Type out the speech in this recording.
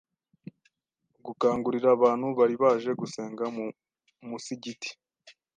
gukangurira abantu bari baje gusenga mu musigiti